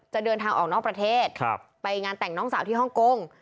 จะเดินทางออกนอกประเทศไปงานแต่งน้องสาวที่ฮ่องกง